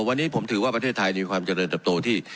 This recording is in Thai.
วันนี้ผมถือว่าประเทศไทยมีความเจริญเติบโตที่